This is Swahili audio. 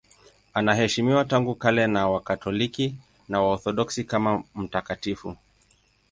Anaheshimiwa tangu kale na Wakatoliki na Waorthodoksi kama mtakatifu.